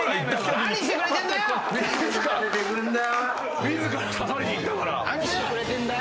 何してくれてんだよ！